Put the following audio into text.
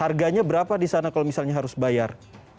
harganya berapa di sana kalau misalnya harus bayar